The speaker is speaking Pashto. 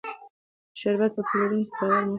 د شربت په پلورونکو باور مه کوئ.